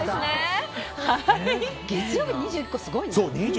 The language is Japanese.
月曜日に２１個すごいね。